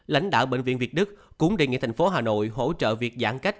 lãnh đạo bệnh viện việt đức cũng đề nghị thành phố hà nội hỗ trợ việc giãn cách